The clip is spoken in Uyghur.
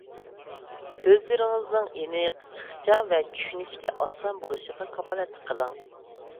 سۆزلىرىڭىزنىڭ ئېنىق، ئىخچام ۋە چۈشىنىشكە ئاسان بولۇشىغا كاپالەتلىك قىلىڭ.